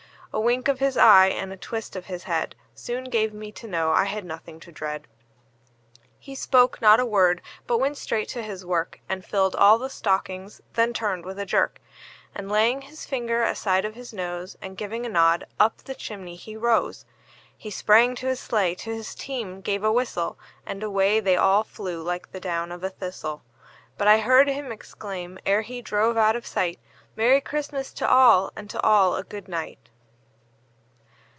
A wink of his eye, and a twist of his head, Soon gave me to know I had nothing to dread. He spoke not a word, but went straight to his work, And filled all the stockings; then turned with a jerk, And laying his finger aside of his nose, And giving a nod, up the chimney he rose. He sprang to his sleigh, to his team gave a whistle, And away they all flew like the down of a thistle; But I heard him exclaim, ere he drove out of sight, "Merry Christmas to all, and to all a good night!"